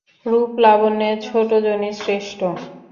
রূপ-লাবণ্যে ছোটজনই শ্রেষ্ঠ।